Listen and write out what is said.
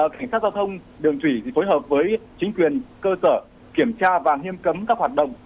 cảnh sát giao thông đường trủy thì phối hợp với chính quyền cơ sở kiểm tra và hiêm cấm các hoạt động